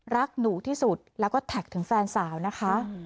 รักหนูที่สุดแล้วก็แท็กถึงแฟนสาวนะคะ